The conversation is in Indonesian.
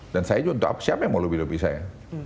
dan saya juga untuk apa siapa yang mau lobby lobby saya